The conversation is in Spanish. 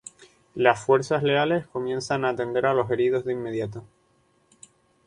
Las fuerzas leales comienzan a atender a los heridos de inmediato.